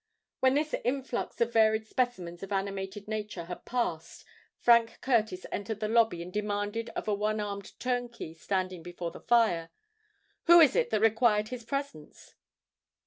When this influx of varied specimens of animated nature had passed, Frank Curtis entered the lobby and demanded of a one armed turnkey standing before the fire, "who it was that required his presence?".